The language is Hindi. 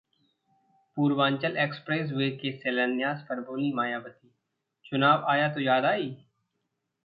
पूर्वांचल एक्सप्रेसवे के शिलान्यास पर बोलीं मायावती- चुनाव आया तो याद आई